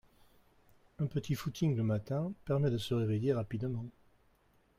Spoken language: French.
Un petit footing le matin permet de se réveiller rapidement